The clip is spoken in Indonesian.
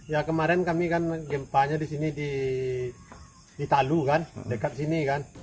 ya kemarin kami kan gempanya di sini di talu kan dekat sini kan